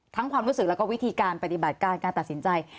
ความรู้สึกแล้วก็วิธีการปฏิบัติการการตัดสินใจ